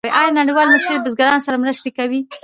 آیا نړیوالې موسسې له بزګرانو سره مرسته کوي؟